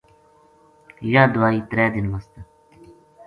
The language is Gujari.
یاہ دوائی ترے دن واسطے